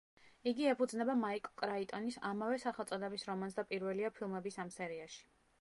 იგი ეფუძნება მაიკლ კრაიტონის ამავე სახელწოდების რომანს და პირველია ფილმების ამ სერიაში.